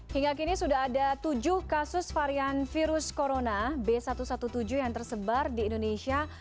hingga kini sudah ada tujuh kasus varian virus corona b satu satu tujuh yang tersebar di indonesia